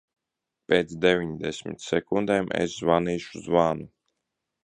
Pēc deviņdesmit sekundēm es zvanīšu zvanu.